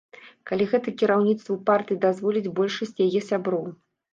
Калі гэта кіраўніцтву партыі дазволіць большасць яе сяброў.